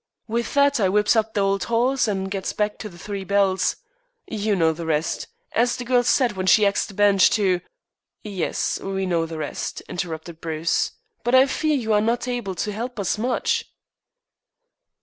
With that I whips up the old 'oss and gets back to the Three Bells. You know the rest, as the girl said when she axed the Bench to " "Yes, we know the rest," interrupted Bruce, "but I fear you are not able to help us much."